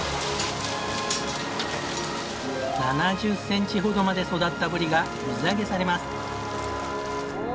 ７０センチほどまで育ったブリが水揚げされます。